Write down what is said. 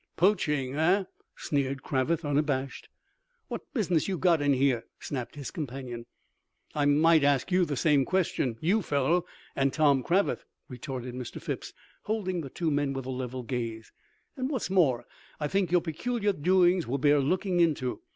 "Poaching, eh?" sneered Cravath unabashed. "What business you got in here?" snapped his companion. "I might ask you the same question, you fellow and Tom Cravath?" retorted Mr. Phipps, holding the two men with a level gaze. "And what's more I think your peculiar doings will bear looking into.